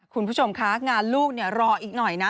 คุณผู้ชมคะงานลูกรออีกหน่อยนะ